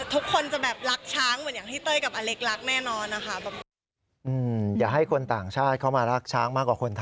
ทุกคนจะแบบรักช้าง